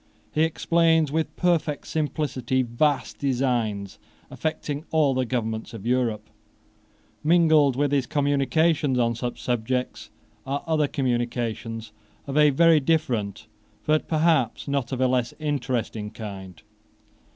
He explains with perfect simplicity vast designs affecting all the governments of Europe. Mingled with his communications on such subjects are other communications of a very different, but perhaps not of a less interesting kind.